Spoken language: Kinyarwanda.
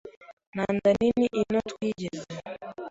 Nta nda nini ino twigeze